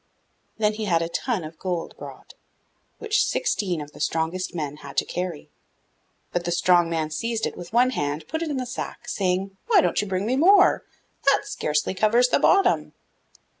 Then he had a ton of gold brought, which sixteen of the strongest men had to carry; but the strong man seized it with one hand, put it in the sack, saying, 'Why don't you bring me more? That scarcely covers the bottom!